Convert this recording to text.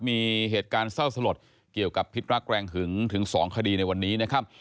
มีเหตุการณ์เศร้าสลดเกี่ยวกับพิษรักแรงหึงถึง๒คดีในวันนี้นะครับ